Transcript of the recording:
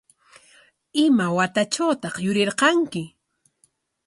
¿Ima watatrawtaq yurirqanki?